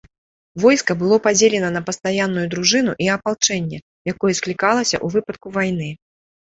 Войска было падзелена на пастаянную дружыну і апалчэнне, якое склікалася ў выпадку вайны.